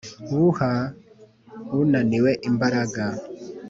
we uha unaniwe imbaraga